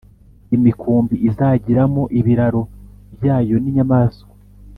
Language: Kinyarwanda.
Imikumbi izagiramo ibiraro byayo n inyamaswa